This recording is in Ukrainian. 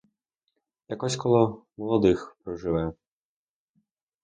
Якось коло молодих проживе.